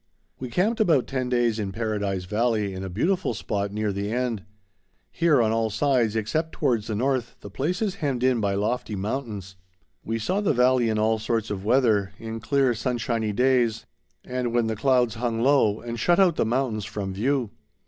We camped about ten days in Paradise Valley in a beautiful spot near the end. Here, on all sides except towards the north, the place is hemmed in by lofty mountains. We saw the valley in all sorts of weather, in clear sunshiny days, and when the clouds hung low and shut out the mountains from view.